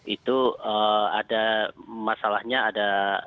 itu ada masalahnya ada